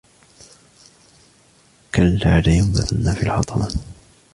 كَلَّا ۖ لَيُنبَذَنَّ فِي الْحُطَمَةِ